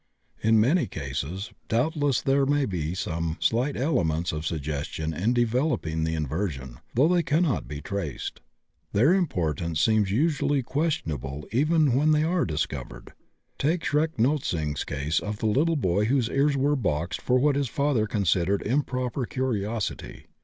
In many cases, doubtless, there may be some slight elements of suggestion in developing the inversion, though they cannot be traced. Their importance seems usually questionable even when they are discovered. Take Schrenck Notzing's case of the little boy whose ears were boxed for what his father considered improper curiosity.